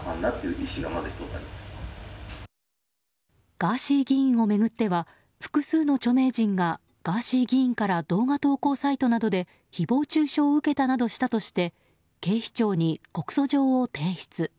ガーシー議員を巡っては複数の著名人がガーシー議員から動画投稿サイトなどで誹謗中傷を受けたなどしたとして警視庁に告訴状を提出。